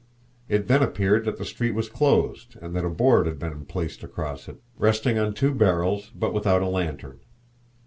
It then appeared that the street was closed and that a board had been placed across it, resting on two barrels, but without a lantern.